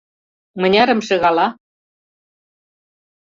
Мынярымше гала?..